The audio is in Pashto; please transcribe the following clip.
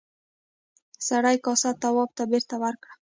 سړي کاسه تواب ته بېرته ورکړه.